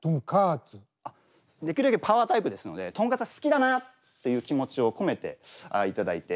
できるだけパワータイプですのでとんかつが好きだなという気持ちを込めていただいて。